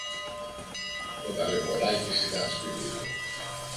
Ο Ταλαιπωράκης ήταν σπίτι του.